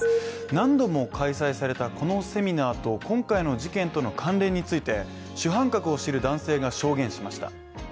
何度も開催されたこのセミナーと今回の事件との関連について、主犯格を知る男性が証言しました。